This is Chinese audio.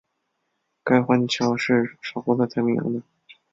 该环礁是法国在太平洋的。